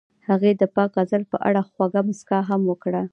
هغې د پاک غزل په اړه خوږه موسکا هم وکړه.